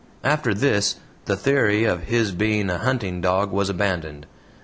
After this the theory of his being a hunting dog was abandoned.